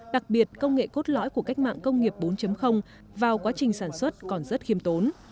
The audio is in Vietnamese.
đặc biệt công nghệ cốt lõi của cách mạng công nghiệp bốn vào quá trình sản xuất còn rất khiêm tốn